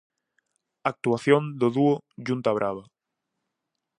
Actuación do Dúo Yunta Brava.